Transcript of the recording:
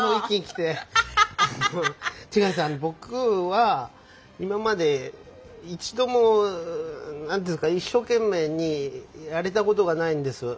あの僕は今まで一度も何ていうんですか一生懸命にやれたことがないんです。